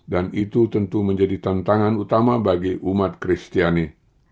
dan itu tentu menjadi tantangan utama bagi umat kristiani